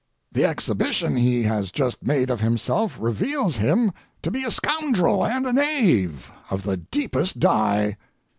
The exhibition he has just made of himself reveals him to be a scoundrel and a knave of the deepest dye.